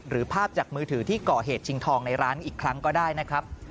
ภาพจากมือถือที่ก่อเหตุชิงทองในร้านอีกครั้งก็ได้นะครับ